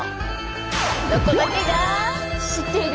「ロコだけが知っている」。